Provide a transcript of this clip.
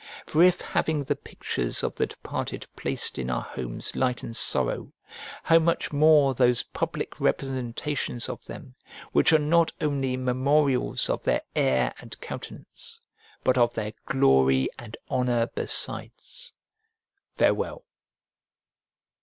For if having the pictures of the departed placed in our homes lightens sorrow, how much more those public representations of them which are not only memorials of their air and countenance, but of their glory and honour besides? Farewell.